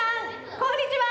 こんにちは。